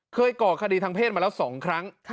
ก่อคดีทางเพศมาแล้ว๒ครั้ง